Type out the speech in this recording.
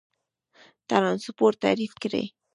ترانسپورت تعریف کړئ.